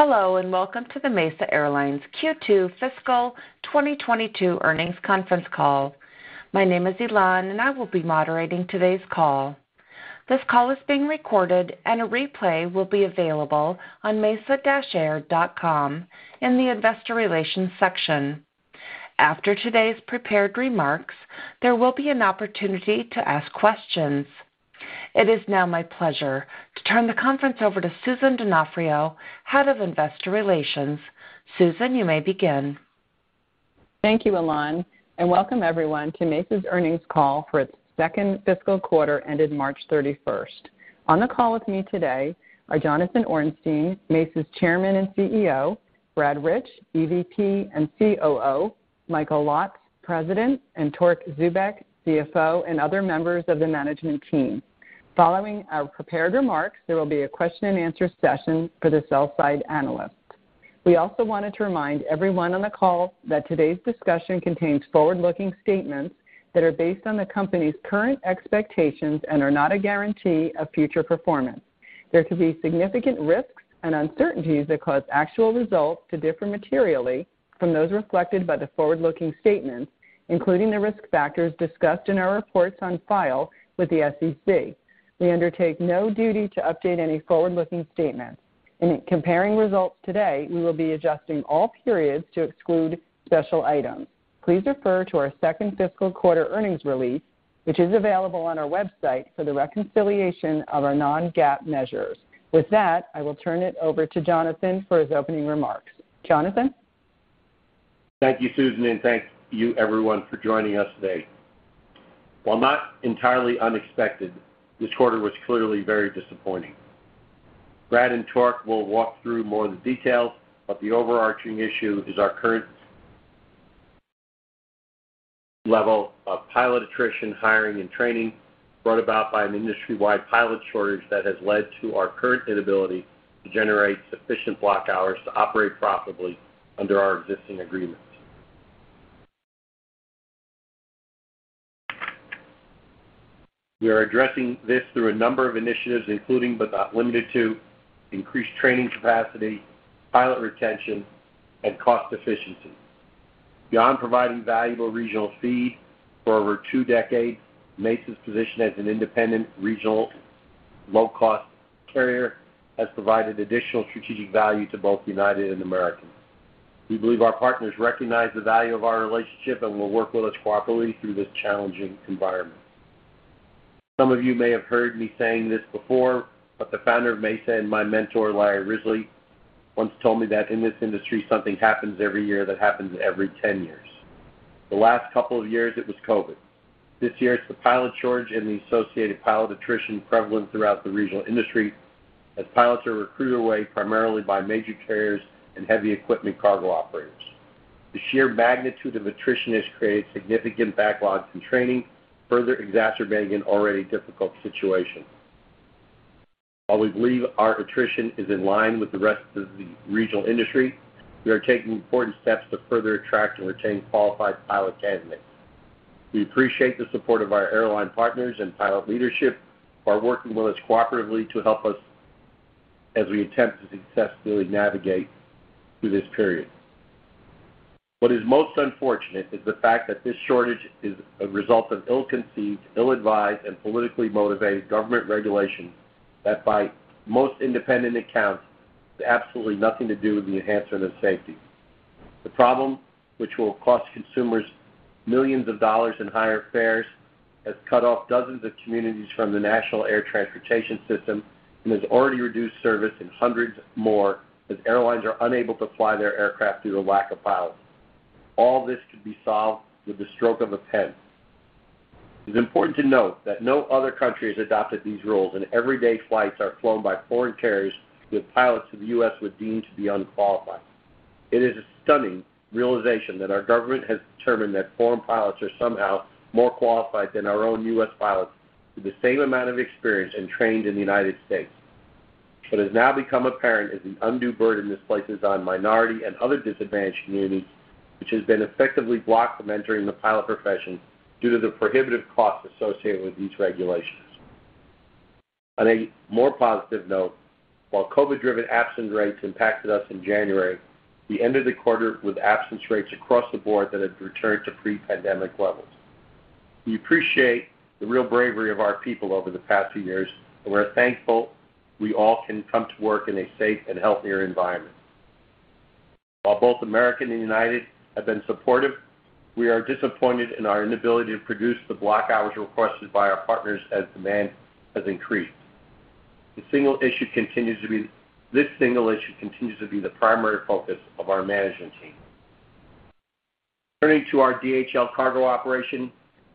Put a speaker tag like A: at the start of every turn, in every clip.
A: Hello, and welcome to the Mesa Airlines Q2 fiscal 2022 earnings conference call. My name is Elan, and I will be moderating today's call. This call is being recorded, and a replay will be available on mesa-air.com in the Investor Relations section. After today's prepared remarks, there will be an opportunity to ask questions. It is now my pleasure to turn the conference over to Susan Donofrio, Head of Investor Relations. Susan, you may begin.
B: Thank you, Elan, and welcome everyone to Mesa's earnings call for its second fiscal quarter ended March 31st. On the call with me today are Jonathan Ornstein, Mesa's Chairman and CEO, Brad Rich, EVP and COO, Michael Lotz, President, and Torque Zubeck, CFO, and other members of the management team. Following our prepared remarks, there will be a question-and-answer session for the sell-side analysts. We also wanted to remind everyone on the call that today's discussion contains forward-looking statements that are based on the company's current expectations and are not a guarantee of future performance. There could be significant risks and uncertainties that cause actual results to differ materially from those reflected by the forward-looking statements, including the risk factors discussed in our reports on file with the SEC. We undertake no duty to update any forward-looking statements. In comparing results today, we will be adjusting all periods to exclude special items. Please refer to our second fiscal quarter earnings release, which is available on our website for the reconciliation of our non-GAAP measures. With that, I will turn it over to Jonathan for his opening remarks. Jonathan?
C: Thank you, Susan, and thank you everyone for joining us today. While not entirely unexpected, this quarter was clearly very disappointing. Brad and Torque will walk through more of the details, but the overarching issue is our current level of pilot attrition, hiring, and training brought about by an industry-wide pilot shortage that has led to our current inability to generate sufficient block hours to operate profitably under our existing agreements. We are addressing this through a number of initiatives, including, but not limited to, increased training capacity, pilot retention, and cost efficiency. Beyond providing valuable regional feed for over two decades, Mesa's position as an independent regional low-cost carrier has provided additional strategic value to both United and American. We believe our partners recognize the value of our relationship and will work with us cooperatively through this challenging environment. Some of you may have heard me saying this before, but the founder of Mesa and my mentor, Larry Risley, once told me that in this industry, something happens every year that happens every 10 years. The last couple of years, it was COVID. This year, it's the pilot shortage and the associated pilot attrition prevalent throughout the regional industry as pilots are recruited away primarily by major carriers and heavy equipment cargo operators. The sheer magnitude of attrition has created significant backlogs in training, further exacerbating an already difficult situation. While we believe our attrition is in line with the rest of the regional industry, we are taking important steps to further attract and retain qualified pilot candidates. We appreciate the support of our airline partners and pilot leadership who are working with us cooperatively to help us as we attempt to successfully navigate through this period. What is most unfortunate is the fact that this shortage is a result of ill-conceived, ill-advised, and politically motivated government regulation that by most independent accounts has absolutely nothing to do with the enhancement of safety. The problem, which will cost consumers millions of dollars in higher fares, has cut off dozens of communities from the national air transportation system and has already reduced service in hundreds more as airlines are unable to fly their aircraft due to lack of pilots. All this could be solved with the stroke of a pen. It's important to note that no other country has adopted these rules, and everyday flights are flown by foreign carriers with pilots who the U.S. would deem to be unqualified. It is a stunning realization that our government has determined that foreign pilots are somehow more qualified than our own U.S. pilots with the same amount of experience and trained in the United States. What has now become apparent is the undue burden this places on minority and other disadvantaged communities, which has been effectively blocked from entering the pilot profession due to the prohibitive costs associated with these regulations. On a more positive note, while COVID-driven absence rates impacted us in January, we ended the quarter with absence rates across the board that have returned to pre-pandemic levels. We appreciate the real bravery of our people over the past two years, and we're thankful we all can come to work in a safe and healthier environment. While both American and United have been supportive, we are disappointed in our inability to produce the block hours requested by our partners as demand has increased. This single issue continues to be the primary focus of our management team. Turning to our DHL cargo operation.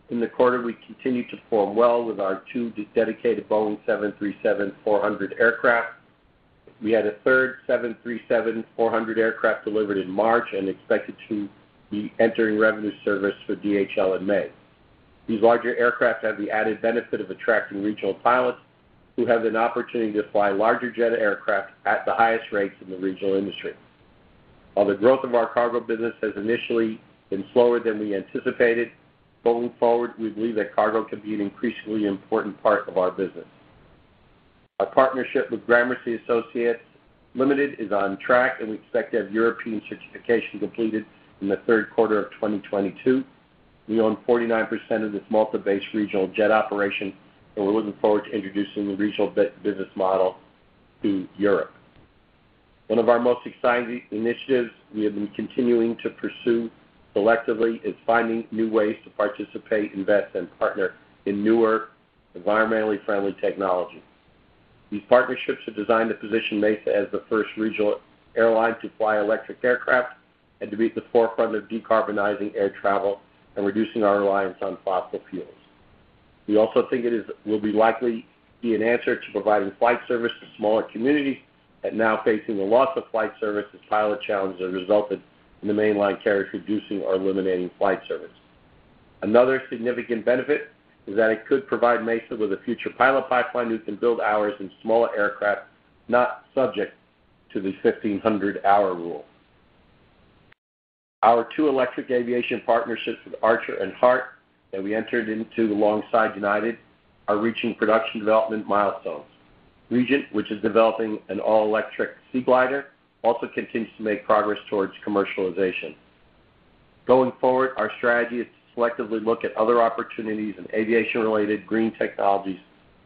C: In the quarter, we continued to perform well with our two dedicated Boeing 737-400 aircraft. We had a third 737-400 aircraft delivered in March and expected to be entering revenue service for DHL in May. These larger aircraft have the added benefit of attracting regional pilots who have an opportunity to fly larger jet aircraft at the highest rates in the regional industry. While the growth of our cargo business has initially been slower than we anticipated, going forward, we believe that cargo can be an increasingly important part of our business. Our partnership with Gramercy Associates Ltd. is on track, and we expect to have European certification completed in the third quarter of 2022. We own 49% of this Malta-based regional jet operation, and we're looking forward to introducing the regional business model to Europe. One of our most exciting initiatives we have been continuing to pursue selectively is finding new ways to participate, invest, and partner in newer, environmentally friendly technology. These partnerships are designed to position Mesa as the first regional airline to fly electric aircraft and to be at the forefront of decarbonizing air travel and reducing our reliance on fossil fuels. We also think will likely be an answer to providing flight service to smaller communities that now facing the loss of flight service as pilot challenges have resulted in the mainline carriers reducing or eliminating flight service. Another significant benefit is that it could provide Mesa with a future pilot pipeline who can build hours in smaller aircraft not subject to the 1,500-hour rule. Our two electric aviation partnerships with Archer and Heart that we entered into alongside United are reaching production development milestones. Regent, which is developing an all-electric Seaglider, also continues to make progress towards commercialization. Going forward, our strategy is to selectively look at other opportunities in aviation-related green technologies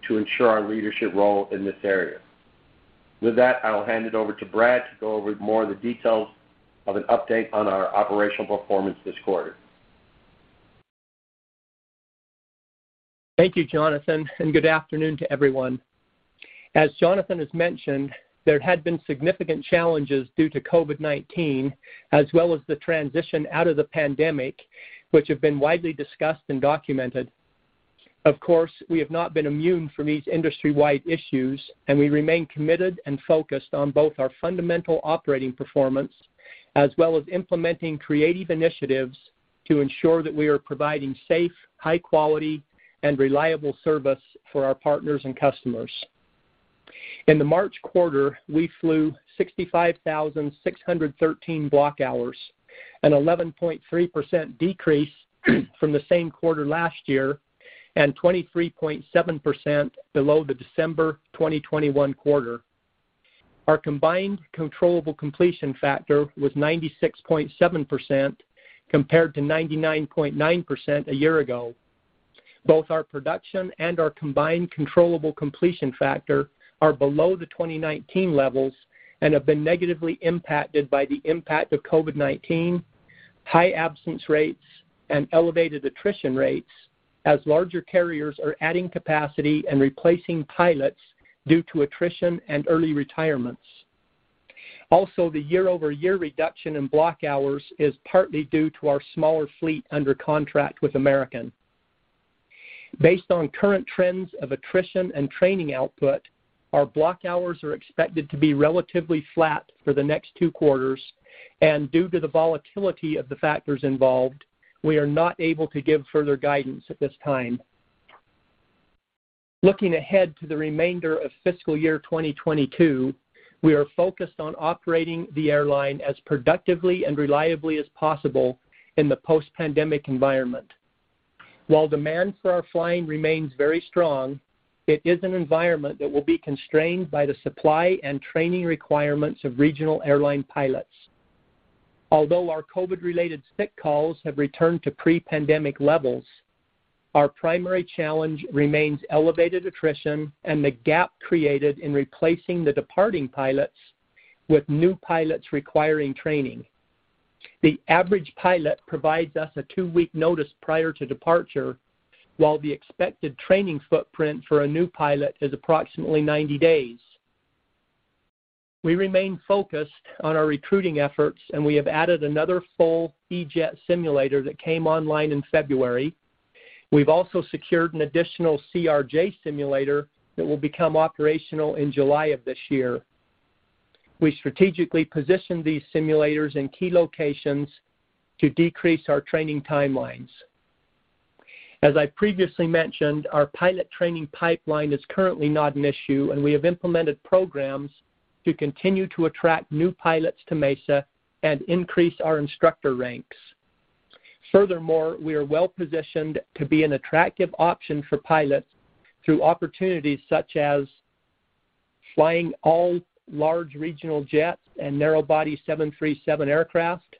C: to ensure our leadership role in this area. With that, I will hand it over to Brad to go over more of the details of an update on our operational performance this quarter.
D: Thank you, Jonathan, and good afternoon to everyone. As Jonathan has mentioned, there had been significant challenges due to COVID-19, as well as the transition out of the pandemic, which have been widely discussed and documented. Of course, we have not been immune from these industry-wide issues, and we remain committed and focused on both our fundamental operating performance, as well as implementing creative initiatives to ensure that we are providing safe, high quality, and reliable service for our partners and customers. In the March quarter, we flew 65,613 block hours, an 11.3% decrease from the same quarter last year, and 23.7% below the December 2021 quarter. Our combined controllable completion factor was 96.7% compared to 99.9% a year ago. Both our production and our combined controllable completion factor are below the 2019 levels and have been negatively impacted by the impact of COVID-19, high absence rates, and elevated attrition rates as larger carriers are adding capacity and replacing pilots due to attrition and early retirements. Also, the year-over-year reduction in block hours is partly due to our smaller fleet under contract with American. Based on current trends of attrition and training output, our block hours are expected to be relatively flat for the next two quarters, and due to the volatility of the factors involved, we are not able to give further guidance at this time. Looking ahead to the remainder of fiscal year 2022, we are focused on operating the airline as productively and reliably as possible in the post-pandemic environment. While demand for our flying remains very strong, it is an environment that will be constrained by the supply and training requirements of regional airline pilots. Although our COVID-related sick calls have returned to pre-pandemic levels, our primary challenge remains elevated attrition and the gap created in replacing the departing pilots with new pilots requiring training. The average pilot provides us a two-week notice prior to departure, while the expected training footprint for a new pilot is approximately 90 days. We remain focused on our recruiting efforts, and we have added another full E-Jet simulator that came online in February. We've also secured an additional CRJ simulator that will become operational in July of this year. We strategically positioned these simulators in key locations to decrease our training timelines. As I previously mentioned, our pilot training pipeline is currently not an issue, and we have implemented programs to continue to attract new pilots to Mesa and increase our instructor ranks. Furthermore, we are well-positioned to be an attractive option for pilots through opportunities such as flying all large regional jets and narrow-body 737 aircraft.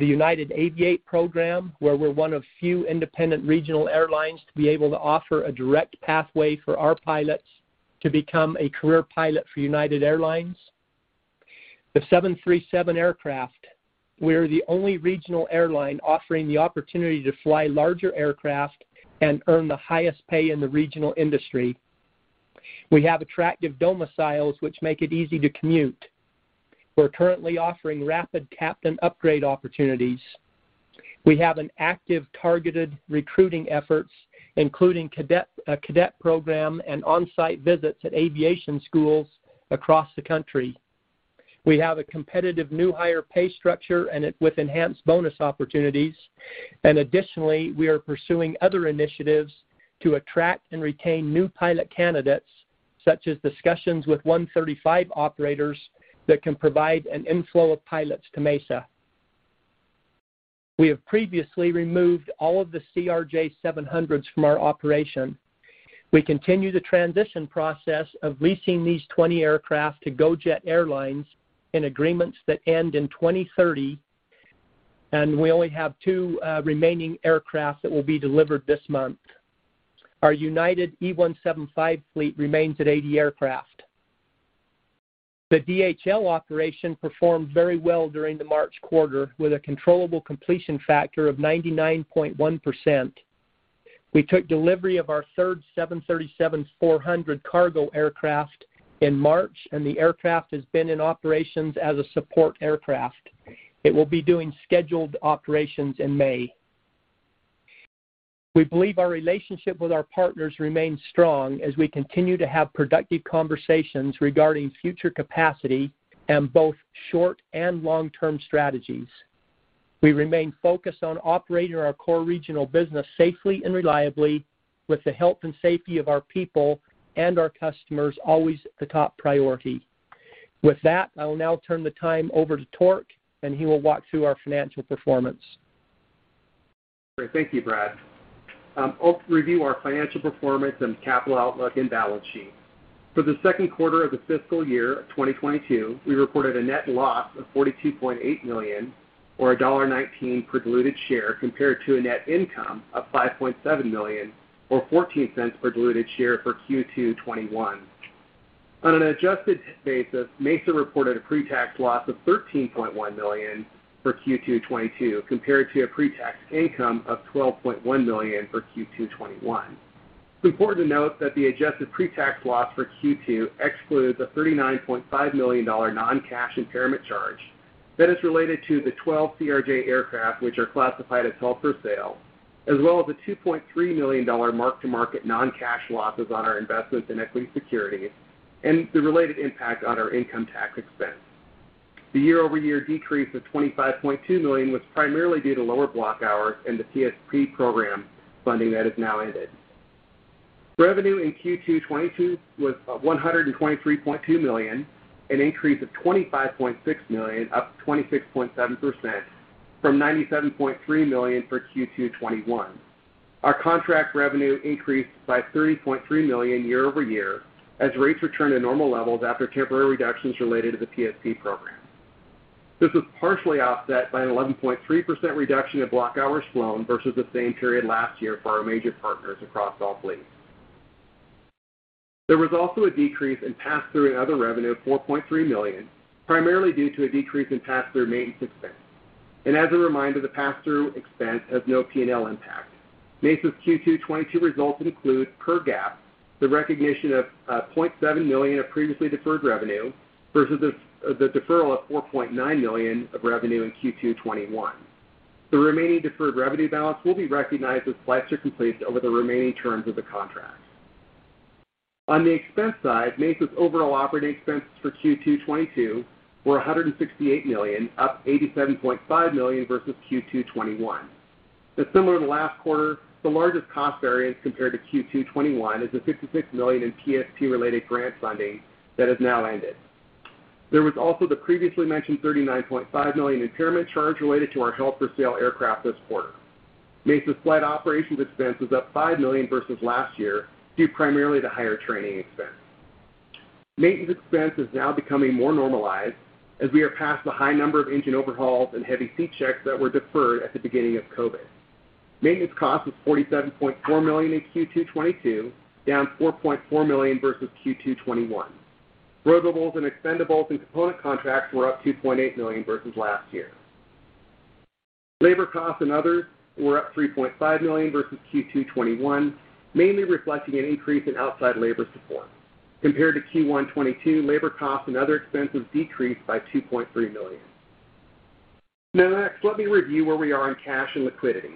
D: The United Aviate program, where we're one of few independent regional airlines to be able to offer a direct pathway for our pilots to become a career pilot for United Airlines. The 737 aircraft, we are the only regional airline offering the opportunity to fly larger aircraft and earn the highest pay in the regional industry. We have attractive domiciles which make it easy to commute. We're currently offering rapid captain upgrade opportunities. We have active targeted recruiting efforts, including a cadet program and on-site visits at aviation schools across the country. We have a competitive new hire pay structure with enhanced bonus opportunities. Additionally, we are pursuing other initiatives to attract and retain new pilot candidates. Such as discussions with Part 135 operators that can provide an inflow of pilots to Mesa. We have previously removed all of the CRJ-700s from our operation. We continue the transition process of leasing these 20 aircraft to GoJet Airlines in agreements that end in 2030, and we only have two remaining aircraft that will be delivered this month. Our United E-175 fleet remains at 80 aircraft. The DHL operation performed very well during the March quarter with a controllable completion factor of 99.1%. We took delivery of our third 737-400 cargo aircraft in March, and the aircraft has been in operations as a support aircraft. It will be doing scheduled operations in May. We believe our relationship with our partners remains strong as we continue to have productive conversations regarding future capacity in both short- and long-term strategies. We remain focused on operating our core regional business safely and reliably with the health and safety of our people and our customers always the top priority. With that, I will now turn the time over to Torque, and he will walk through our financial performance.
E: Great. Thank you, Brad. I'll review our financial performance and capital outlook and balance sheet. For the second quarter of the fiscal year of 2022, we reported a net loss of $42.8 million or $1.19 per diluted share compared to a net income of $5.7 million or $0.14 per diluted share for Q2 2021. On an adjusted basis, Mesa reported a pre-tax loss of $13.1 million for Q2 2022 compared to a pre-tax income of $12.1 million for Q2 2021. It's important to note that the adjusted pre-tax loss for Q2 excludes a $39.5 million non-cash impairment charge that is related to the 12 CRJ aircraft which are classified as held for sale, as well as a $2.3 million mark-to-market non-cash losses on our investments in equity securities and the related impact on our income tax expense. The year-over-year decrease of $25.2 million was primarily due to lower block hours and the PSP program funding that has now ended. Revenue in Q2 2022 was $123.2 million, an increase of $25.6 million, up 26.7% from $97.3 million for Q2 2021. Our contract revenue increased by $30.3 million year-over-year as rates return to normal levels after temporary reductions related to the PSP program. This was partially offset by an 11.3% reduction in block hours flown versus the same period last year for our major partners across all fleets. There was also a decrease in pass-through and other revenue of $4.3 million, primarily due to a decrease in pass-through maintenance expense. As a reminder, the pass-through expense has no P&L impact. Mesa's Q2 2022 results include, per GAAP, the recognition of $0.7 million of previously deferred revenue versus the deferral of $4.9 million of revenue in Q2 2021. The remaining deferred revenue balance will be recognized as flights are completed over the remaining terms of the contract. On the expense side, Mesa's overall operating expenses for Q2 2022 were $168 million, up $87.5 million versus Q2 2021. Similar to last quarter, the largest cost variance compared to Q2 2021 is the $66 million in PSP-related grant funding that has now ended. There was also the previously mentioned $39.5 million impairment charge related to our held-for-sale aircraft this quarter. Mesa's flight operations expense was up $5 million versus last year, due primarily to higher training expense. Maintenance expense is now becoming more normalized as we are past the high number of engine overhauls and heavy C checks that were deferred at the beginning of COVID. Maintenance cost was $47.4 million in Q2 2022, down $4.4 million versus Q2 2021. Rotables and expendables and component contracts were up $2.8 million versus last year. Labor costs and others were up $3.5 million versus Q2 2021, mainly reflecting an increase in outside labor support. Compared to Q1 2022, labor costs and other expenses decreased by $2.3 million. Now, next, let me review where we are on cash and liquidity.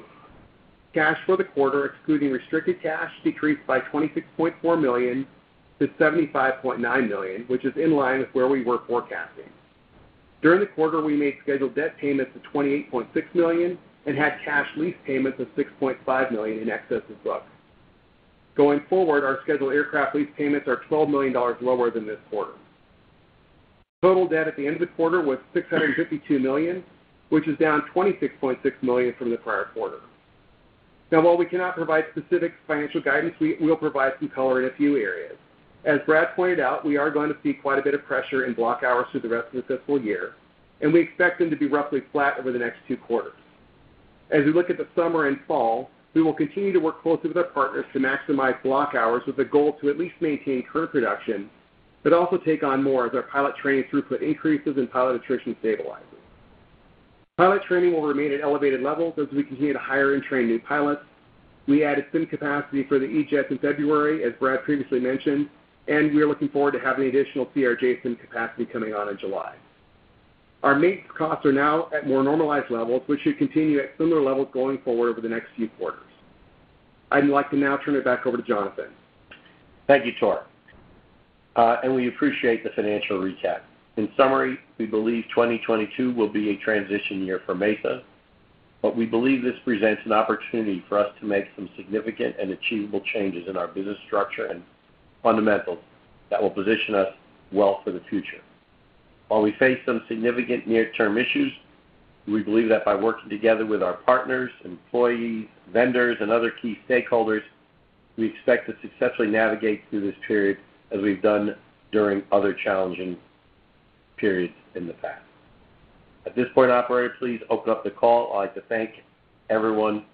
E: Cash for the quarter, excluding restricted cash, decreased by $26.4 million to $75.9 million, which is in line with where we were forecasting. During the quarter, we made scheduled debt payments of $28.6 million and had cash lease payments of $6.5 million in excess of bucks. Going forward, our scheduled aircraft lease payments are $12 million lower than this quarter. Total debt at the end of the quarter was $652 million, which is down $26.6 million from the prior quarter. Now while we cannot provide specific financial guidance, we'll provide some color in a few areas. As Brad pointed out, we are going to see quite a bit of pressure in block hours through the rest of the fiscal year, and we expect them to be roughly flat over the next two quarters. As we look at the summer and fall, we will continue to work closely with our partners to maximize block hours with a goal to at least maintain current production, but also take on more as our pilot training throughput increases and pilot attrition stabilizes. Pilot training will remain at elevated levels as we continue to hire and train new pilots. We added SIM capacity for the E-Jets in February, as Brad previously mentioned, and we are looking forward to having additional CRJ SIM capacity coming on in July. Our maintenance costs are now at more normalized levels, which should continue at similar levels going forward over the next few quarters. I'd like to now turn it back over to Jonathan.
C: Thank you, Torque. We appreciate the financial recap. In summary, we believe 2022 will be a transition year for Mesa. We believe this presents an opportunity for us to make some significant and achievable changes in our business structure and fundamentals that will position us well for the future. While we face some significant near-term issues, we believe that by working together with our partners, employees, vendors, and other key stakeholders, we expect to successfully navigate through this period as we've done during other challenging periods in the past. At this point, operator, please open up the call. I'd like to thank everyone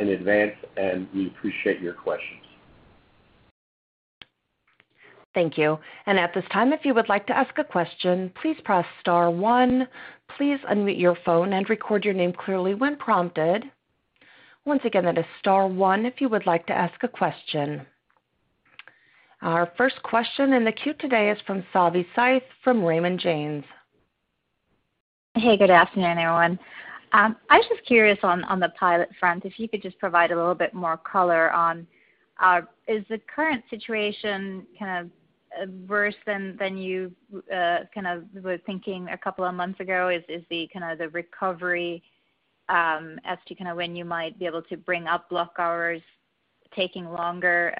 C: in advance, and we appreciate your questions.
A: Thank you. At this time, if you would like to ask a question, please press star one. Please unmute your phone and record your name clearly when prompted. Once again, that is star one if you would like to ask a question. Our first question in the queue today is from Savanthi Syth from Raymond James.
F: Hey, good afternoon, everyone. I was just curious on the pilot front, if you could just provide a little bit more color on is the current situation kind of worse than you kind of were thinking a couple of months ago? Is the kind of recovery as to kind of when you might be able to bring up block hours taking longer,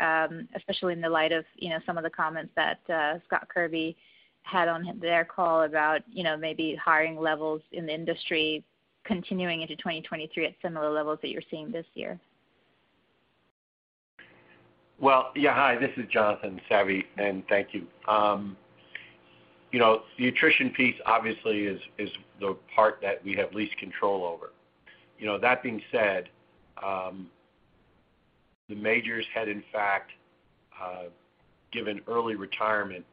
F: especially in the light of you know, some of the comments that Scott Kirby had on their call about you know, maybe hiring levels in the industry continuing into 2023 at similar levels that you're seeing this year?
C: Well, yeah. Hi, this is Jonathan, Savi, and thank you. You know, the attrition piece obviously is the part that we have least control over. You know, that being said, the majors had in fact given early retirement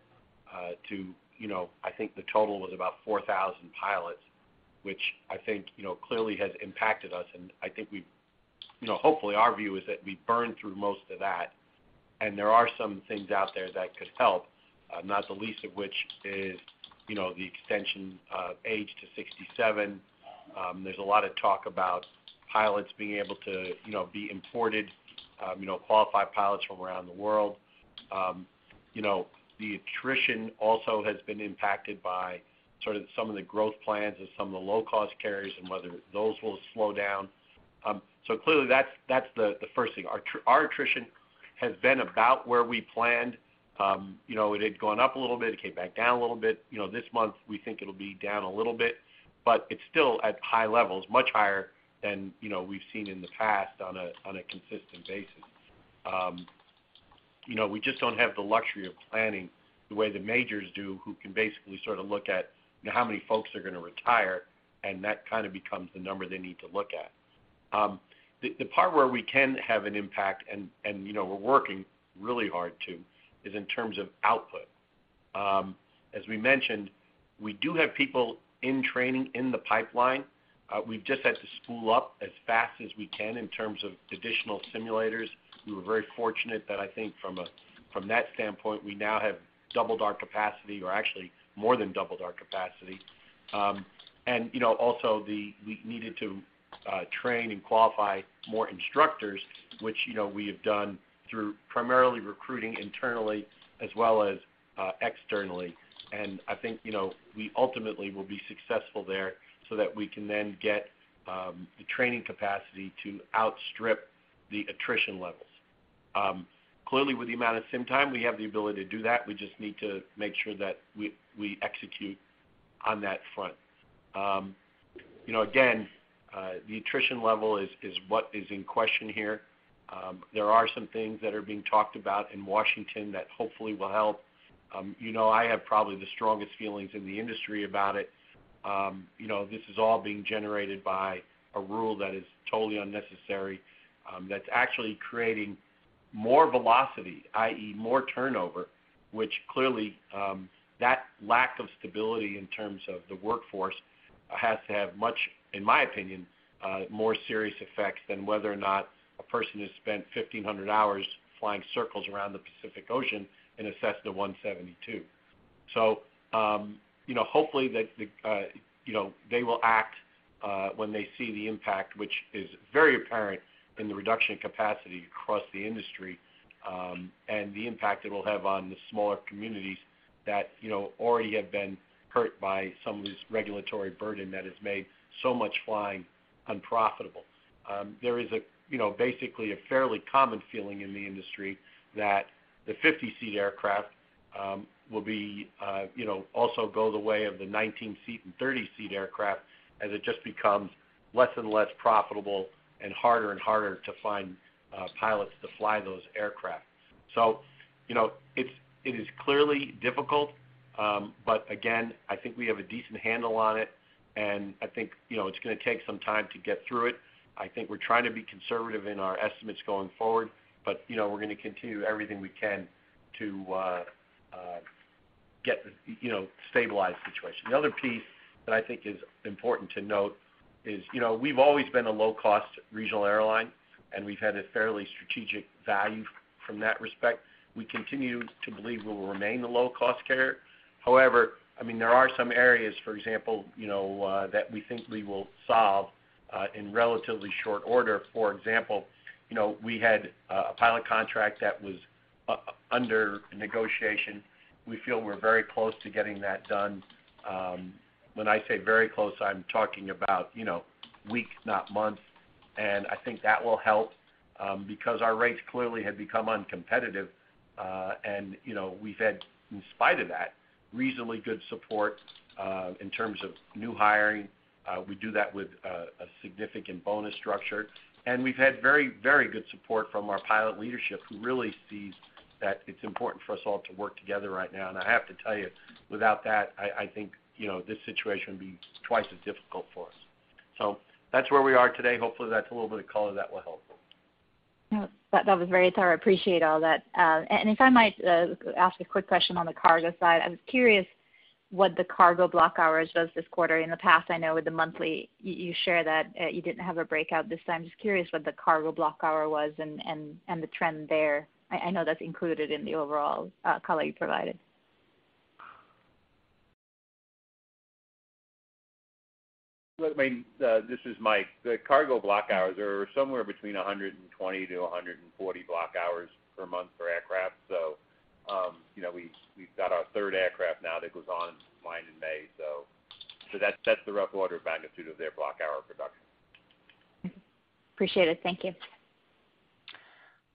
C: to you know, I think the total was about 4,000 pilots, which I think, you know, clearly has impacted us. I think we you know, hopefully our view is that we burned through most of that, and there are some things out there that could help, not the least of which is, you know, the extension of age to 67. There's a lot of talk about pilots being able to, you know, be imported, you know, qualified pilots from around the world. You know, the attrition also has been impacted by sort of some of the growth plans of some of the low-cost carriers and whether those will slow down. Clearly that's the first thing. Our attrition has been about where we planned. You know, it had gone up a little bit. It came back down a little bit. You know, this month we think it'll be down a little bit, but it's still at high levels, much higher than, you know, we've seen in the past on a consistent basis. You know, we just don't have the luxury of planning the way the majors do, who can basically sort of look at how many folks are gonna retire, and that kind of becomes the number they need to look at. The part where we can have an impact and, you know, we're working really hard to, is in terms of output. As we mentioned, we do have people in training in the pipeline. We've just had to spool up as fast as we can in terms of additional simulators. We were very fortunate that I think from that standpoint, we now have doubled our capacity or actually more than doubled our capacity. You know, also, we needed to train and qualify more instructors, which, you know, we have done through primarily recruiting internally as well as externally. I think, you know, we ultimately will be successful there so that we can then get the training capacity to outstrip the attrition levels. Clearly with the amount of sim time, we have the ability to do that. We just need to make sure that we execute on that front. You know, again, the attrition level is what is in question here. There are some things that are being talked about in Washington that hopefully will help. You know, I have probably the strongest feelings in the industry about it. You know, this is all being generated by a rule that is totally unnecessary, that's actually creating more velocity, i.e. more turnover, which clearly, that lack of stability in terms of the workforce has to have much, in my opinion, more serious effects than whether or not a person has spent 1,500 hours flying circles around the Pacific Ocean in a Cessna 172. You know, hopefully they will act when they see the impact, which is very apparent in the reduction in capacity across the industry, and the impact it will have on the smaller communities that you know already have been hurt by some of this regulatory burden that has made so much flying unprofitable. There is, you know, basically a fairly common feeling in the industry that the 50-seat aircraft will be, you know, also go the way of the 19-seat and 30-seat aircraft as it just becomes less and less profitable and harder and harder to find pilots to fly those aircraft. You know, it is clearly difficult, but again, I think we have a decent handle on it, and I think, you know, it's gonna take some time to get through it. I think we're trying to be conservative in our estimates going forward, but, you know, we're gonna continue everything we can to get, you know, stabilize the situation. The other piece that I think is important to note is, you know, we've always been a low-cost regional airline, and we've had a fairly strategic value from that respect. We continue to believe we will remain the low-cost carrier. However, I mean, there are some areas, for example, you know, that we think we will solve in relatively short order. For example, you know, we had a pilot contract that was under negotiation. We feel we're very close to getting that done. When I say very close, I'm talking about, you know, weeks, not months. I think that will help, because our rates clearly had become uncompetitive. You know, we've had, in spite of that, reasonably good support, in terms of new hiring. We do that with a significant bonus structure. We've had very, very good support from our pilot leadership, who really sees that it's important for us all to work together right now. I have to tell you, without that, I think, you know, this situation would be twice as difficult for us. That's where we are today. Hopefully, that's a little bit of color that will help.
F: No, that was very thorough. I appreciate all that. If I might ask a quick question on the cargo side. I was curious what the cargo block hours was this quarter. In the past, I know with the monthly, you share that, you didn't have a breakout this time. Just curious what the cargo block hour was and the trend there. I know that's included in the overall color you provided.
G: Look, I mean, this is Mike. The cargo block hours are somewhere between 120-140 block hours per month for aircraft. You know, we've got our third aircraft now that goes on flying in May. That's the rough order of magnitude of their block hour production.
F: Appreciate it. Thank you.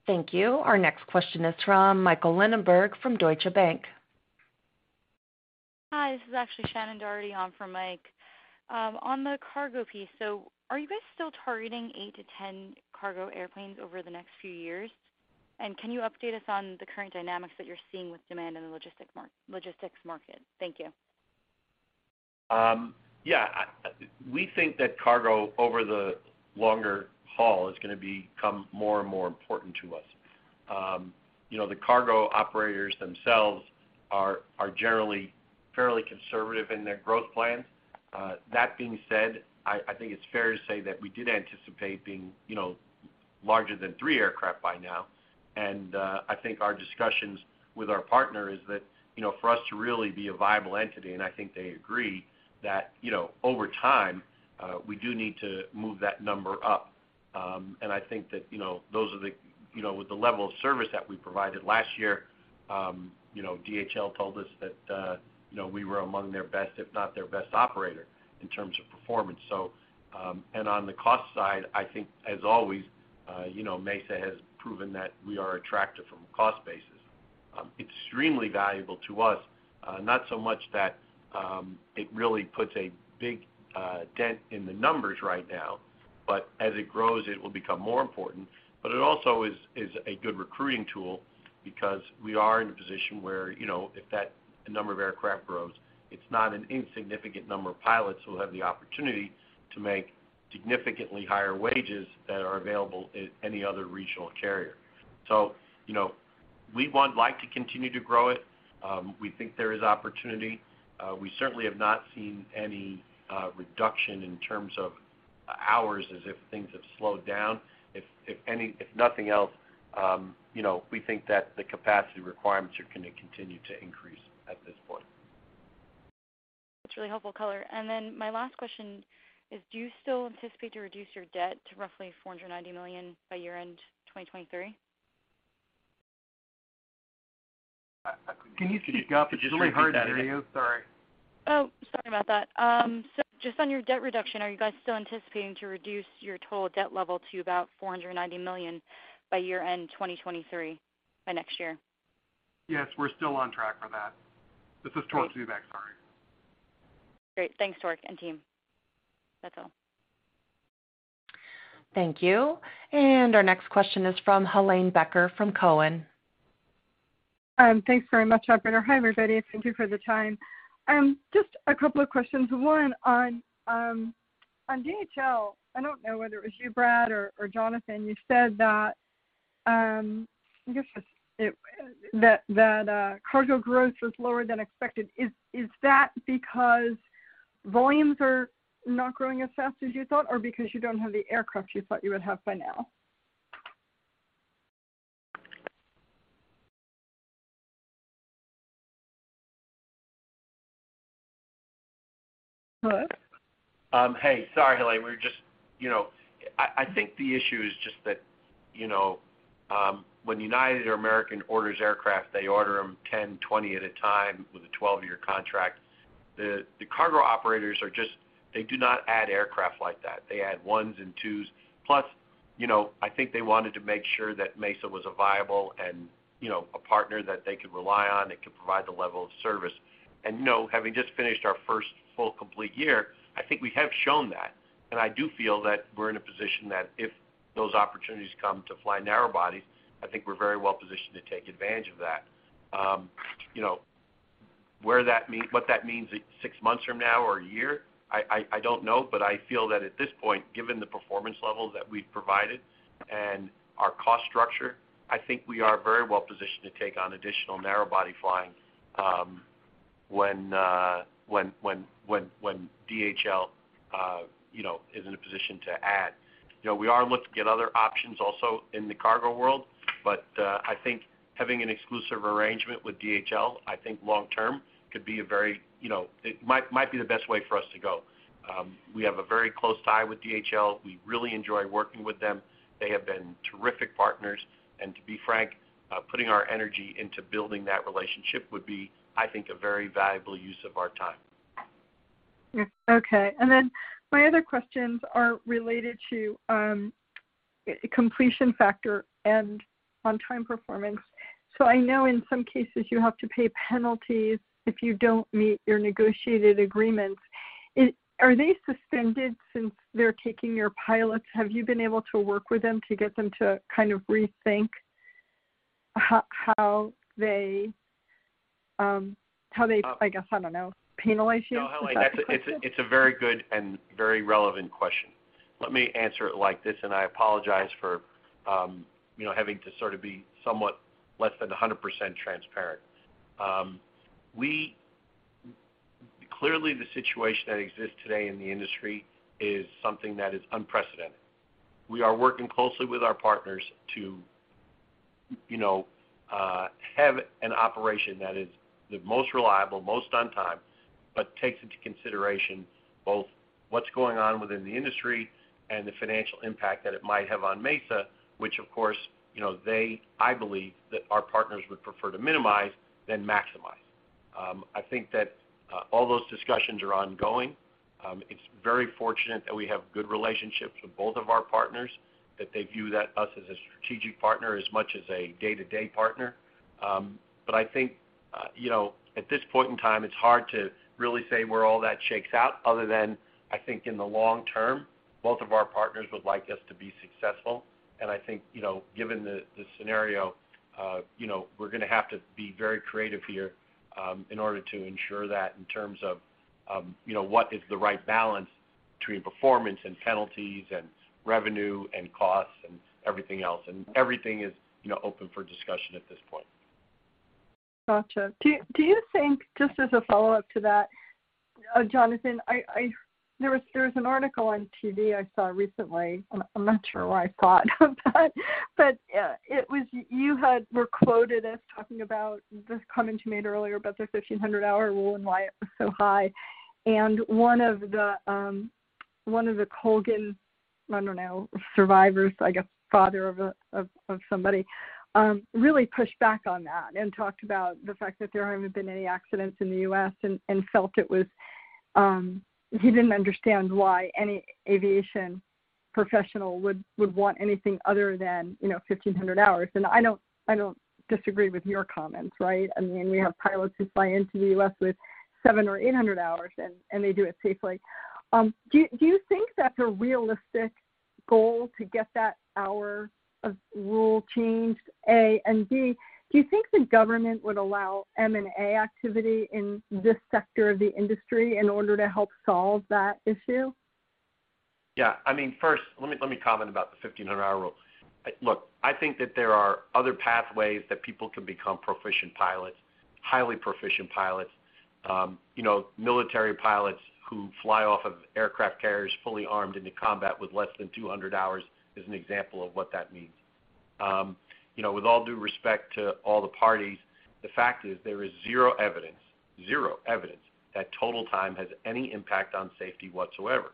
A: Thank you. Our next question is from Michael Linenberg from Deutsche Bank.
H: Hi, this is actually Shannon Doherty on for Mike. On the cargo piece, are you guys still targeting eight to 10 cargo airplanes over the next few years? Can you update us on the current dynamics that you're seeing with demand in the logistics market? Thank you.
C: Yeah, we think that cargo over the longer haul is gonna become more and more important to us. You know, the cargo operators themselves are generally fairly conservative in their growth plans. That being said, I think it's fair to say that we did anticipate being, you know, larger than three aircraft by now. I think our discussions with our partner is that, you know, for us to really be a viable entity, and I think they agree, that, you know, over time, we do need to move that number up. I think that you know, with the level of service that we provided last year, you know, DHL told us that, you know, we were among their best, if not their best operator in terms of performance. On the cost side, I think as always, you know, Mesa has proven that we are attractive from a cost basis. Extremely valuable to us, not so much that it really puts a big dent in the numbers right now, but as it grows, it will become more important. It also is a good recruiting tool because we are in a position where, you know, if that number of aircraft grows, it's not an insignificant number of pilots who will have the opportunity to make significantly higher wages that are available at any other regional carrier. You know, we would like to continue to grow it. We think there is opportunity. We certainly have not seen any reduction in terms of hours as if things have slowed down. If nothing else, you know, we think that the capacity requirements are gonna continue to increase at this point.
H: That's really helpful color. My last question is, do you still anticipate to reduce your debt to roughly $490 million by year-end 2023?
C: Can you repeat? It's really hard to hear you. Sorry.
H: Oh, sorry about that. Just on your debt reduction, are you guys still anticipating to reduce your total debt level to about $490 million by year-end 2023, by next year?
E: Yes, we're still on track for that. This is Torque Zubeck. Sorry.
H: Great. Thanks, Torque and team. That's all.
A: Thank you. Our next question is from Helane Becker from Cowen.
I: Thanks very much, operator. Hi, everybody. Thank you for the time. Just a couple of questions. One, on DHL, I don't know whether it was you, Brad, or Jonathan, you said that, I guess, cargo growth was lower than expected. Is that because volumes are not growing as fast as you thought, or because you don't have the aircraft you thought you would have by now? Hello?
C: Hey, sorry, Helane. You know, I think the issue is just that, you know, when United or American orders aircraft, they order them 10, 20 at a time with a 12-year contract. The cargo operators are just, they do not add aircraft like that. They add ones and twos. Plus, you know, I think they wanted to make sure that Mesa was a viable and, you know, a partner that they could rely on, that could provide the level of service. Now, having just finished our first full complete year, I think we have shown that. I do feel that we're in a position that if those opportunities come to fly narrow-body, I think we're very well-positioned to take advantage of that. You know, what that means six months from now or a year, I don't know. I feel that at this point, given the performance level that we've provided and our cost structure, I think we are very well-positioned to take on additional narrow-body flying, when DHL, you know, is in a position to add. You know, we are looking at other options also in the cargo world, I think having an exclusive arrangement with DHL, I think long term could be a very, you know, it might be the best way for us to go. We have a very close tie with DHL. We really enjoy working with them. They have been terrific partners. To be frank, putting our energy into building that relationship would be, I think, a very valuable use of our time.
I: Yeah. Okay. My other questions are related to completion factor and on-time performance. I know in some cases you have to pay penalties if you don't meet your negotiated agreements. Are they suspended since they're taking your pilots? Have you been able to work with them to get them to kind of rethink how they how they-
C: Um-
I: I guess, I don't know, penalize you? Is that the question?
C: No, Helane, that's a very good and very relevant question. Let me answer it like this, and I apologize for, you know, having to sort of be somewhat less than a hundred percent transparent. Clearly, the situation that exists today in the industry is something that is unprecedented. We are working closely with our partners to, you know, have an operation that is the most reliable, most on time, but takes into consideration both what's going on within the industry and the financial impact that it might have on Mesa, which of course, you know, I believe that our partners would prefer to minimize than maximize. I think that all those discussions are ongoing. It's very fortunate that we have good relationships with both of our partners, that they view us as a strategic partner as much as a day-to-day partner. But I think, you know, at this point in time, it's hard to really say where all that shakes out other than I think in the long term, both of our partners would like us to be successful. I think, you know, given the scenario, you know, we're gonna have to be very creative here, in order to ensure that in terms of, you know, what is the right balance between performance and penalties and revenue and costs and everything else, and everything is, you know, open for discussion at this point.
I: Gotcha. Do you think, just as a follow-up to that, Jonathan, There was an article on TV I saw recently. I'm not sure why I thought of that. You were quoted as talking about this comment you made earlier about the 1,500-hour rule and why it was so high. One of the Colgan survivors, I guess, father of somebody really pushed back on that and talked about the fact that there haven't been any accidents in the U.S. and felt it was. He didn't understand why any aviation professional would want anything other than, you know, 1,500 hours. I don't disagree with your comments, right? I mean, we have pilots who fly into the U.S. with 700 or 800 hours, and they do it safely. Do you think that's a realistic goal to get the 1,500-hour rule changed, A? B, do you think the government would allow M&A activity in this sector of the industry in order to help solve that issue?
C: Yeah. I mean, first, let me comment about the 1,500-hour rule. Look, I think that there are other pathways that people can become proficient pilots, highly proficient pilots. You know, military pilots who fly off of aircraft carriers fully armed into combat with less than 200 hours is an example of what that means. You know, with all due respect to all the parties, the fact is there is zero evidence that total time has any impact on safety whatsoever.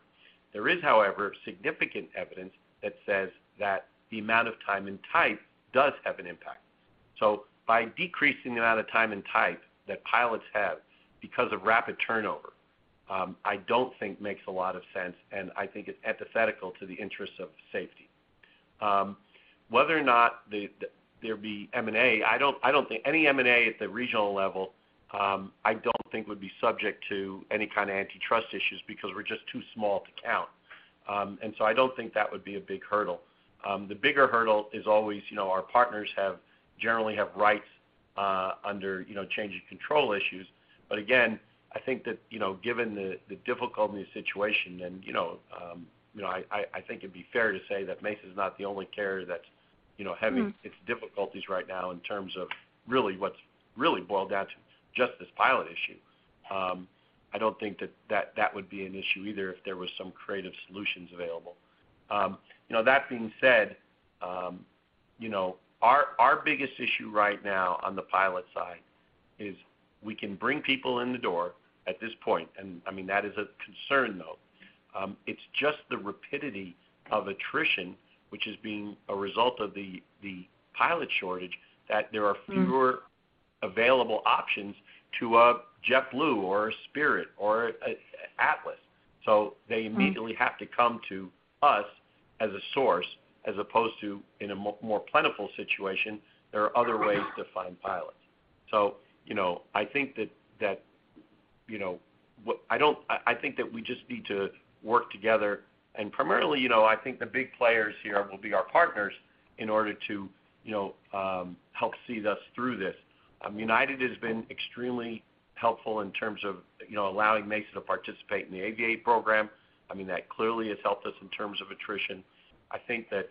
C: There is, however, significant evidence that says that the amount of time and type does have an impact. By decreasing the amount of time and type that pilots have because of rapid turnover, I don't think makes a lot of sense, and I think it's antithetical to the interest of safety. Whether or not there'd be M&A, I don't think any M&A at the regional level would be subject to any kind of antitrust issues because we're just too small to count. I don't think that would be a big hurdle. The bigger hurdle is always, you know, our partners generally have rights under, you know, change in control issues. Again, I think that, you know, given the difficult situation and, you know, you know, I think it'd be fair to say that Mesa's not the only carrier that's, you know.
I: Mm-hmm
C: having its difficulties right now in terms of really what's really boiled down to just this pilot issue. I don't think that would be an issue either if there was some creative solutions available. You know, that being said, you know, our biggest issue right now on the pilot side is we can bring people in the door at this point, and I mean, that is a concern, though. It's just the rapidity of attrition, which is being a result of the pilot shortage, that there are.
I: Mm-hmm
C: Fewer available options to a JetBlue or a Spirit or a Atlas. They immediately have to come to us as a source as opposed to in a more plentiful situation, there are other ways to find pilots. You know, I think that you know, I think that we just need to work together. Primarily, you know, I think the big players here will be our partners in order to you know help see us through this. United has been extremely helpful in terms of you know allowing Mesa to participate in the Aviate program. I mean, that clearly has helped us in terms of attrition. I think that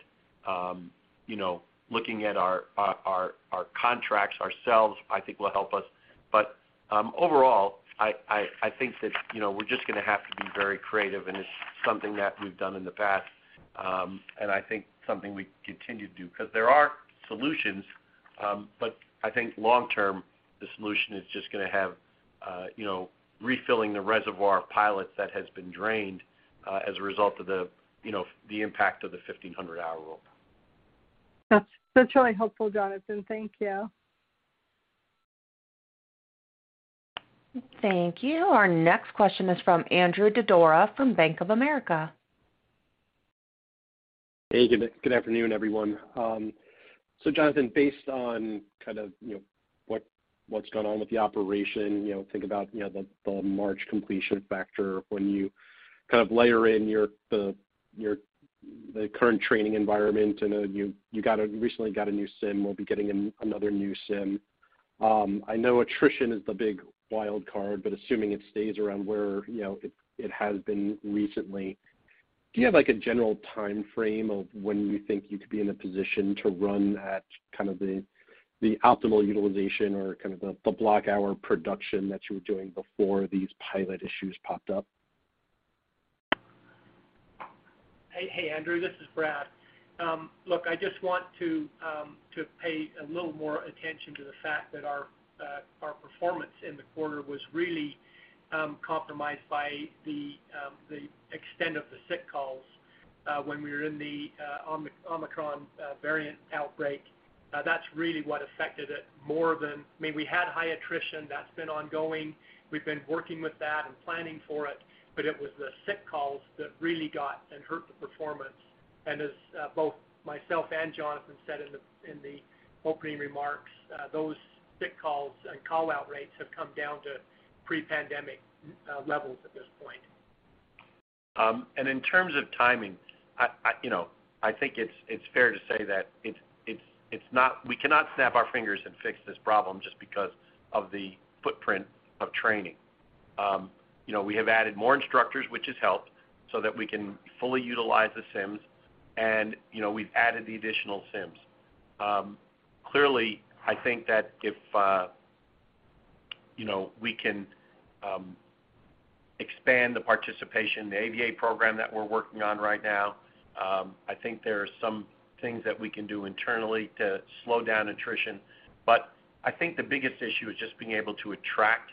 C: you know looking at our contracts ourselves, I think will help us. Overall, I think that, you know, we're just gonna have to be very creative, and it's something that we've done in the past, and I think something we continue to do. Because there are solutions, but I think long term, the solution is just gonna have, you know, refilling the reservoir of pilots that has been drained, as a result of the, you know, the impact of the 1,500-hour rule.
I: That's really helpful, Jonathan. Thank you.
A: Thank you. Our next question is from Andrew Didora from Bank of America.
J: Hey, good afternoon, everyone. Jonathan, based on kind of, you know, what's going on with the operation, you know, think about, you know, the March completion factor when you kind of layer in the current training environment, I know you recently got a new sim, will be getting another new sim. I know attrition is the big wild card, but assuming it stays around where, you know, it has been recently, do you have like a general timeframe of when you think you could be in a position to run at kind of the optimal utilization or kind of the block hour production that you were doing before these pilot issues popped up?
D: Hey, hey, Andrew. This is Brad. Look, I just want to pay a little more attention to the fact that our performance in the quarter was really compromised by the extent of the sick calls when we were in the Omicron variant outbreak. That's really what affected it more than I mean, we had high attrition. That's been ongoing. We've been working with that and planning for it. But it was the sick calls that really got and hurt the performance. As both myself and Jonathan said in the opening remarks, those sick calls and call-out rates have come down to pre-pandemic levels at this point.
C: In terms of timing, you know, I think we cannot snap our fingers and fix this problem just because of the footprint of training. You know, we have added more instructors, which has helped, so that we can fully utilize the sims and, you know, we've added the additional sims. Clearly, I think that you know, we can expand the participation, the Aviate program that we're working on right now. I think there are some things that we can do internally to slow down attrition. I think the biggest issue is just being able to attract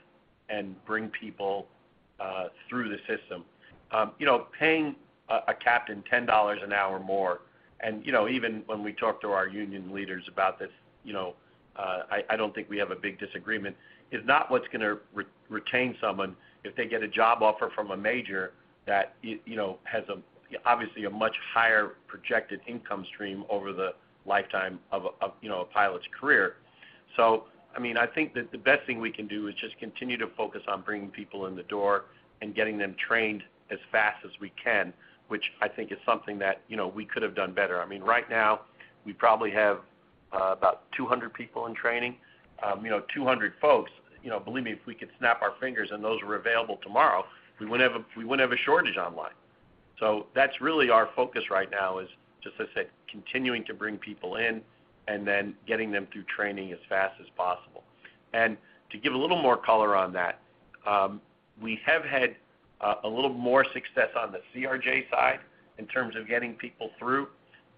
C: and bring people through the system. You know, paying a captain $10 an hour more, and you know, even when we talk to our union leaders about this, you know, I don't think we have a big disagreement, is not what's gonna retain someone if they get a job offer from a major that you know, has obviously a much higher projected income stream over the lifetime of a you know, a pilot's career. I mean, I think that the best thing we can do is just continue to focus on bringing people in the door and getting them trained as fast as we can, which I think is something that you know, we could have done better. I mean, right now, we probably have about 200 people in training. You know, 200 folks, you know, believe me, if we could snap our fingers and those were available tomorrow, we wouldn't have a shortage on line. That's really our focus right now is, just as I said, continuing to bring people in and then getting them through training as fast as possible. To give a little more color on that, we have had a little more success on the CRJ side in terms of getting people through.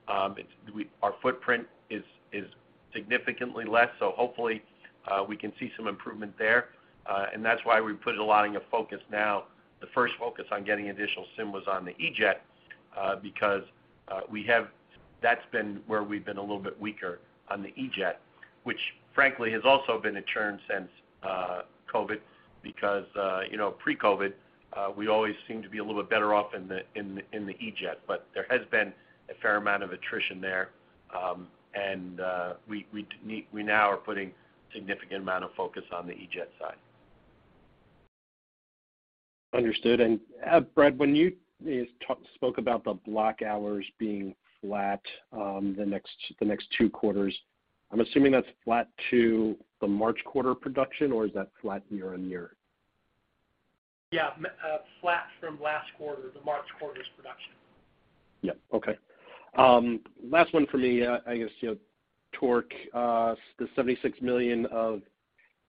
C: Our footprint is significantly less, so hopefully we can see some improvement there. That's why we've put a lot of focus now. The first focus on getting additional SIM was on the E-Jet, because we have. That's been where we've been a little bit weaker on the E-Jet, which frankly has also been a churn since COVID because, you know, pre-COVID, we always seem to be a little bit better off in the E-Jet. There has been a fair amount of attrition there, and we now are putting significant amount of focus on the E-Jet side.
J: Understood. Brad, when you spoke about the block hours being flat, the next two quarters, I'm assuming that's flat to the March quarter production, or is that flat year-on-year?
D: Yeah. Flat from last quarter, the March quarter's production.
J: Yeah. Okay. Last one for me. I guess, you know, Torque, the $76 million of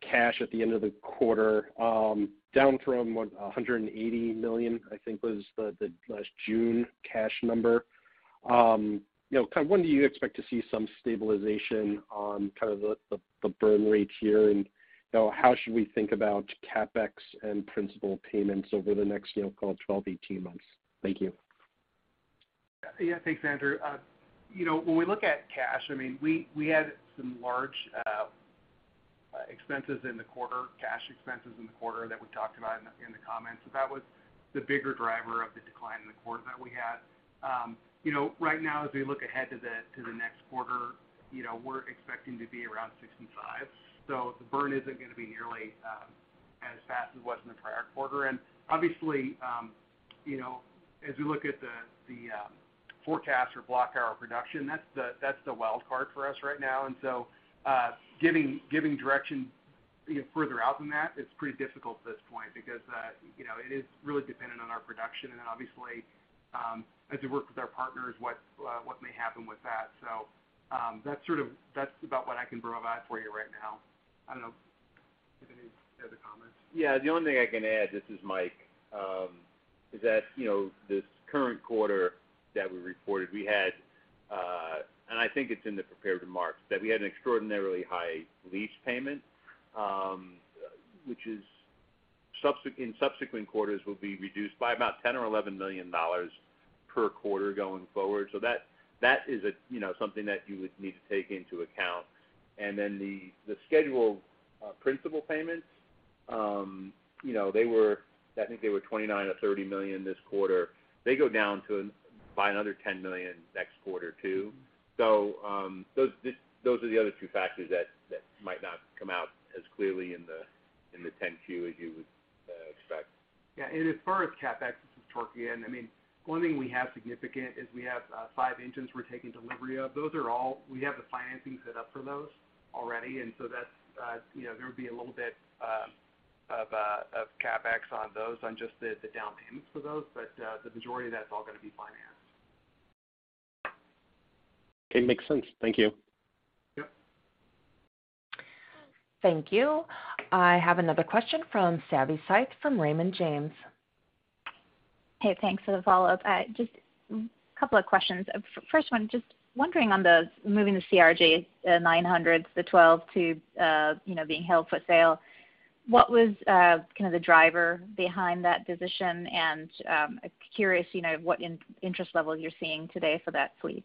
J: cash at the end of the quarter, down from what? $180 million, I think, was the last June cash number. You know, kind of when do you expect to see some stabilization on kind of the burn rate here? And, you know, how should we think about CapEx and principal payments over the next, you know, call it 12-18 months? Thank you.
E: Yeah. Thanks, Andrew. You know, when we look at cash, I mean, we had some large expenses in the quarter, cash expenses in the quarter that we talked about in the comments. That was the bigger driver of the decline in the quarter that we had. You know, right now, as we look ahead to the next quarter, you know, we're expecting to be around $65. The burn isn't gonna be nearly as fast as it was in the prior quarter. Obviously, you know, as we look at the forecast for block hour production, that's the wild card for us right now. Giving direction, you know, further out than that is pretty difficult at this point because, you know, it is really dependent on our production and then obviously, as we work with our partners, what may happen with that. That's sort of that's about what I can provide for you right now. I don't know if there's any other comments.
G: Yeah. The only thing I can add, this is Mike, is that, you know, this current quarter that we reported, we had, and I think it's in the prepared remarks, that we had an extraordinarily high lease payment, which in subsequent quarters will be reduced by about $10 or $11 million per quarter going forward. That is a, you know, something that you would need to take into account. Then the schedule, principal payments, you know, they were. I think they were $29 or $30 million this quarter. They go down by another $10 million next quarter too. Those are the other two factors that might not come out as clearly in the 10-Q as you would expect.
E: Yeah. As far as CapEx is concerned, I mean, one thing we have significant is we have five engines we're taking delivery of. We have the financing set up for those already, and so that's, you know, there would be a little bit of CapEx on those, just the down payments for those. But the majority of that's all gonna be financed.
J: Okay. Makes sense. Thank you.
E: Yep.
A: Thank you. I have another question from Savanthi Syth from Raymond James.
F: Hey, thanks for the follow-up. Just a couple of questions. First one, just wondering on moving the CRJ-900s, the 12 to being held for sale, what was kind of the driver behind that decision? Curious, you know, what interest level you're seeing today for that fleet?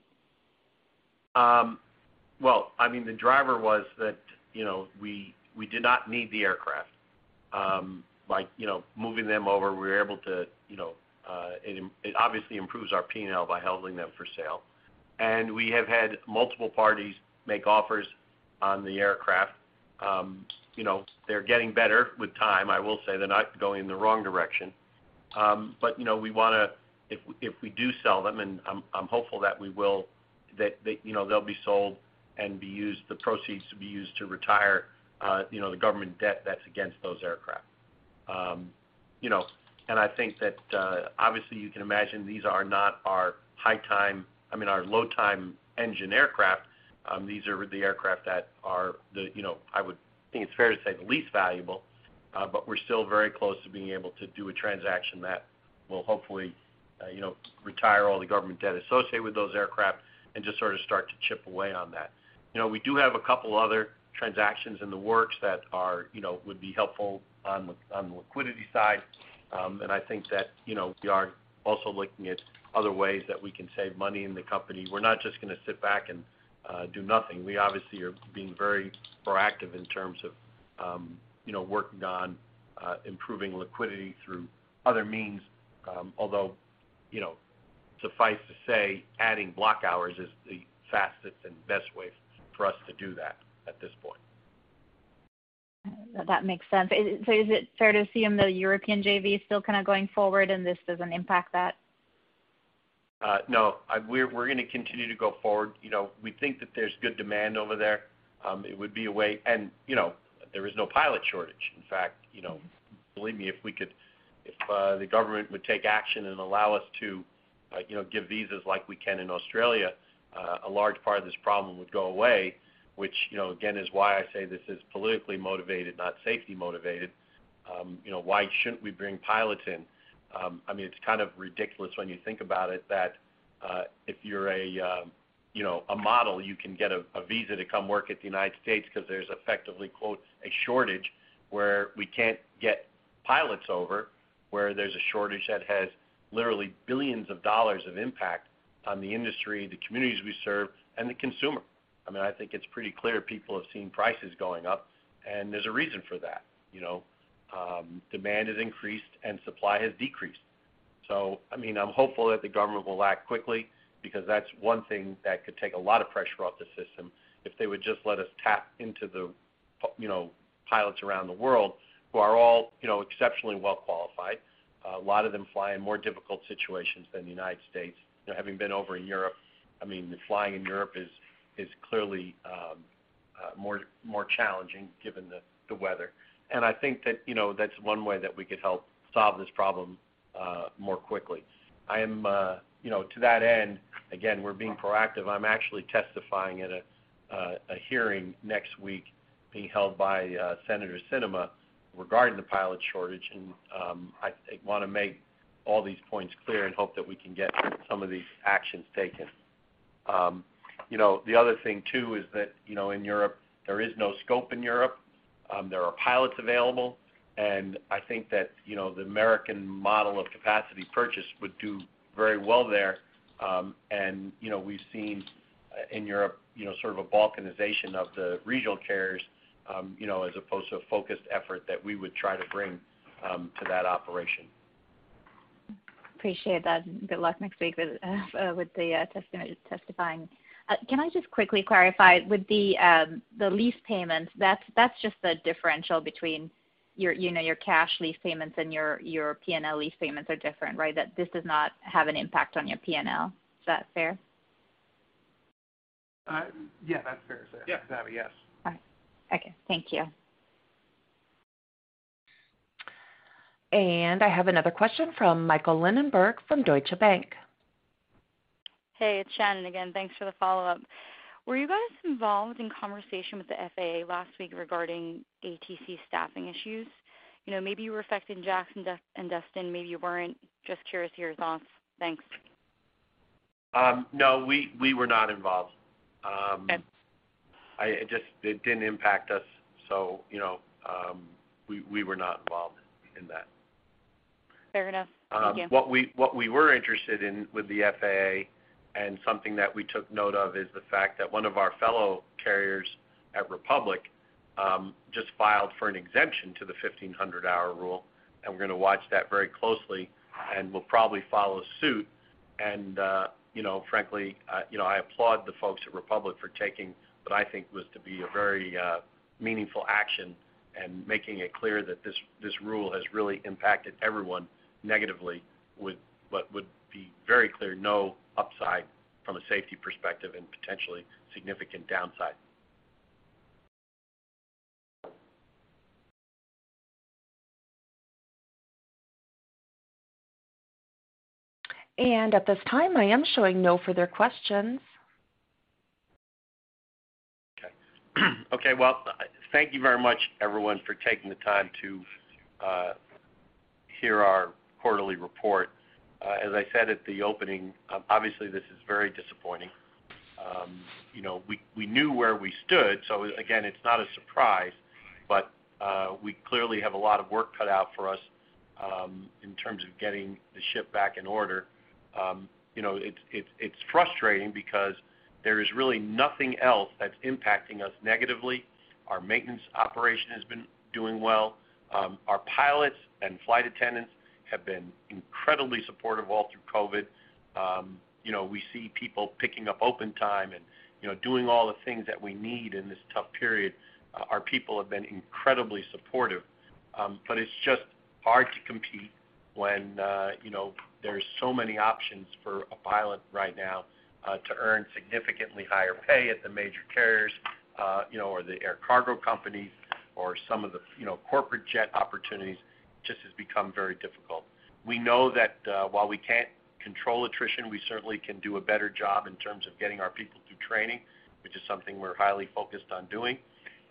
C: Well, I mean, the driver was that, you know, we did not need the aircraft. Like, you know, moving them over, we were able to, you know, it obviously improves our P&L by holding them for sale. We have had multiple parties make offers on the aircraft. You know, they're getting better with time, I will say. They're not going in the wrong direction. You know, we wanna, if we do sell them, and I'm hopeful that we will, that you know, they'll be sold and be used, the proceeds to be used to retire, you know, the government debt that's against those aircraft. You know, I think that, obviously, you can imagine these are not our high time, I mean, our low time engine aircraft. These are the aircraft that are the, you know, I would think it's fair to say the least valuable, but we're still very close to being able to do a transaction that will hopefully, you know, retire all the government debt associated with those aircraft and just sort of start to chip away on that. You know, we do have a couple other transactions in the works that are, you know, would be helpful on the liquidity side. I think that, you know, we are also looking at other ways that we can save money in the company. We're not just gonna sit back and do nothing. We obviously are being very proactive in terms of, you know, working on improving liquidity through other means, although, you know, suffice to say, adding block hours is the fastest and best way for us to do that at this point.
F: That makes sense. Is it fair to assume the European JV is still kind of going forward and this doesn't impact that?
C: No. We're gonna continue to go forward. You know, we think that there's good demand over there. It would be a way. You know, there is no pilot shortage. In fact, you know, believe me, if the government would take action and allow us to, you know, give visas like we can in Australia, a large part of this problem would go away, which, you know, again, is why I say this is politically motivated, not safety motivated. You know, why shouldn't we bring pilots in? I mean, it's kind of ridiculous when you think about it, that if you're a you know, a model, you can get a visa to come work in the United States because there's effectively, quote, "a shortage" where we can't get pilots over, where there's a shortage that has literally billions of dollars of impact on the industry, the communities we serve, and the consumer. I mean, I think it's pretty clear people have seen prices going up, and there's a reason for that, you know? Demand has increased, and supply has decreased. I mean, I'm hopeful that the government will act quickly because that's one thing that could take a lot of pressure off the system if they would just let us tap into the, you know, pilots around the world who are all, you know, exceptionally well qualified. A lot of them fly in more difficult situations than the United States. You know, having been over in Europe, I mean, flying in Europe is clearly more challenging given the weather. I think that, you know, that's one way that we could help solve this problem more quickly. You know, to that end, again, we're being proactive. I'm actually testifying at a hearing next week being held by Senator Sinema regarding the pilot shortage, and I wanna make all these points clear and hope that we can get some of these actions taken. You know, the other thing too is that, you know, in Europe, there is no scope in Europe. There are pilots available, and I think that, you know, the American model of capacity purchase would do very well there. You know, we've seen in Europe, you know, sort of a balkanization of the regional carriers, you know, as opposed to a focused effort that we would try to bring to that operation.
F: Appreciate that. Good luck next week with the testimony testifying. Can I just quickly clarify? With the lease payments, that's just the differential between your, you know, your cash lease payments and your P&L lease payments are different, right? That this does not have an impact on your P&L. Is that fair?
E: Yeah, that's fair.
C: Yeah.
E: Savi, yes.
F: All right. Okay. Thank you.
A: I have another question from Michael Linenberg from Deutsche Bank.
H: Hey, it's Shannon again. Thanks for the follow-up. Were you guys involved in conversation with the FAA last week regarding ATC staffing issues? You know, maybe you were affecting Jacksonville and Austin, maybe you weren't. Just curious to hear your thoughts. Thanks.
C: No, we were not involved.
H: Okay.
C: It didn't impact us, so you know, we were not involved in that.
H: Fair enough. Thank you.
C: What we were interested in with the FAA, and something that we took note of, is the fact that one of our fellow carriers at Republic just filed for an exemption to the 1,500-hour rule, and we're gonna watch that very closely, and we'll probably follow suit. You know, frankly, you know, I applaud the folks at Republic for taking what I think was to be a very meaningful action and making it clear that this rule has really impacted everyone negatively with what would be very clear no upside from a safety perspective and potentially significant downside.
A: At this time, I am showing no further questions.
C: Okay, well, thank you very much everyone for taking the time to hear our quarterly report. As I said at the opening, obviously this is very disappointing. You know, we knew where we stood, so again, it's not a surprise, but we clearly have a lot of work cut out for us in terms of getting the ship back in order. You know, it's frustrating because there is really nothing else that's impacting us negatively. Our maintenance operation has been doing well. Our pilots and flight attendants have been incredibly supportive all through COVID. You know, we see people picking up open time and, you know, doing all the things that we need in this tough period. Our people have been incredibly supportive. It's just hard to compete when, you know, there's so many options for a pilot right now, to earn significantly higher pay at the major carriers, you know, or the air cargo companies or some of the, you know, corporate jet opportunities. It just has become very difficult. We know that, while we can't control attrition, we certainly can do a better job in terms of getting our people through training, which is something we're highly focused on doing.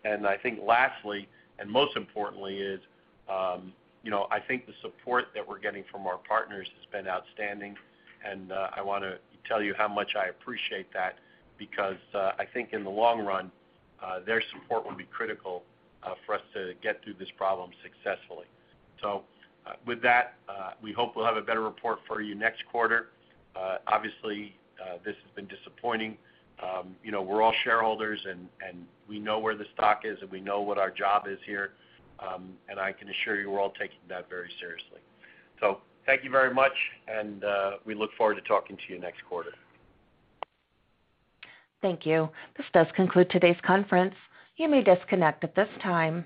C: I think lastly, and most importantly, is, you know, I think the support that we're getting from our partners has been outstanding, and, I wanna tell you how much I appreciate that because, I think in the long run, their support will be critical, for us to get through this problem successfully. With that, we hope we'll have a better report for you next quarter. Obviously, this has been disappointing. You know, we're all shareholders and we know where the stock is, and we know what our job is here. I can assure you we're all taking that very seriously. Thank you very much, and we look forward to talking to you next quarter.
A: Thank you. This does conclude today's conference. You may disconnect at this time.